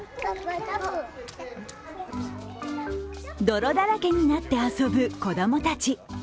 泥だらけになって遊ぶ子供たち。